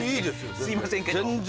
すいませんけど。